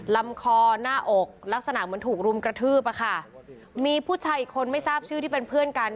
ลำคอหน้าอกลักษณะเหมือนถูกรุมกระทืบอ่ะค่ะมีผู้ชายอีกคนไม่ทราบชื่อที่เป็นเพื่อนกัน